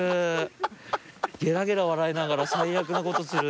ゲラゲラ笑いながら最悪なことする。